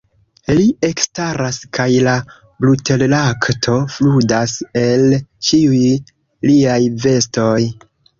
Li ekstaras kaj la buterlakto fluadas el ĉiuj liaj vestoj.